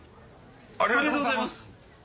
ありがとうございます！